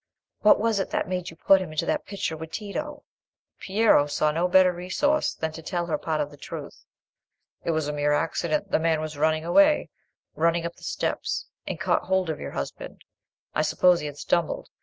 What was it that made you put him into a picture with Tito?" Piero saw no better resource than to tell part of the truth. "It was a mere accident. The man was running away—running up the steps, and caught hold of your husband: I suppose he had stumbled.